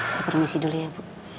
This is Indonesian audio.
saya permisi dulu ya bu